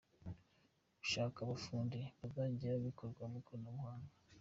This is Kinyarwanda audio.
Gushaka abafundi bizajya bikorwa mu ikoranabuhanga.